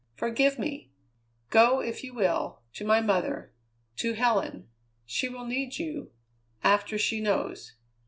Forgive me! Go, if you will, to my mother to Helen. She will need you after she knows.